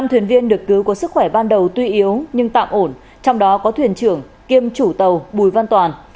năm thuyền viên được cứu có sức khỏe ban đầu tuy yếu nhưng tạm ổn trong đó có thuyền trưởng kiêm chủ tàu bùi văn toàn